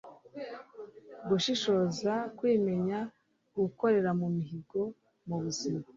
gushishoza, kwimenya, gukorera ku mihigo mu buzima